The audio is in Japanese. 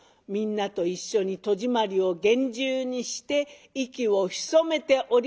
みんなと一緒に戸締まりを厳重にして息を潜めております